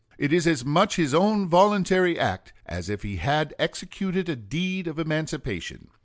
It is as much his own voluntary act as if he had executed a deed of emancipation....